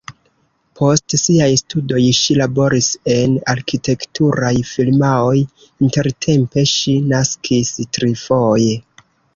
Post siaj studoj ŝi laboris en arkitekturaj firmaoj, intertempe ŝi naskis trifoje.